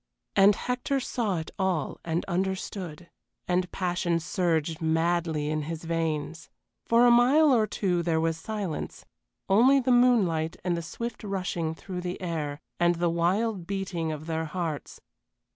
And Hector saw it all and understood, and passion surged madly in his veins. For a mile or two there was silence only the moonlight and the swift rushing through the air, and the wild beating of their hearts.